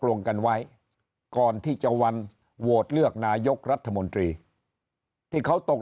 ลงกันไว้ก่อนที่จะวันโหวตเลือกนายกรัฐมนตรีที่เขาตก